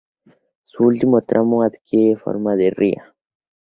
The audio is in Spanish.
Su último tramo adquiere forma de ría.